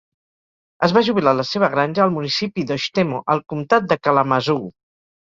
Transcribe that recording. Es va jubilar a la seva granja al municipi d'Oshtemo, al comtat de Kalamazoo.